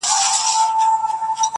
رنګ د جهاني د غزل میو ته لوېدلی دی!!